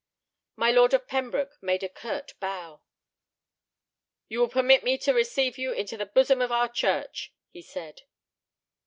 My Lord of Pembroke made her a curt bow. "You will permit me to receive you into the bosom of our church," he said.